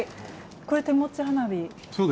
これ手持ち花火。